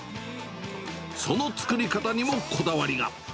その作り方にもこだわりが。